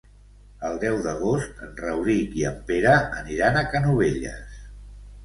El deu d'agost en Rauric i en Pere aniran a Canovelles.